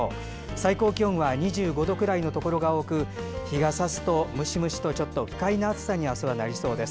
最高気温は２５度くらいのところが多く日がさすとムシムシとした不快な暑さに明日はなりそうです。